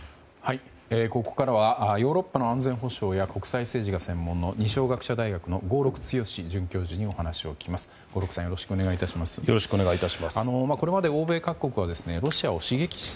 ここからはヨーロッパの安全保障や国際政治が専門の二松学舎大学の合六強准教授にお話をお聞きします。